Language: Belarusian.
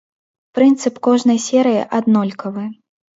Прынцып кожнай серыі аднолькавы.